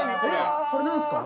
これ何ですか？